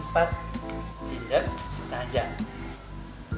pat titik dan tajam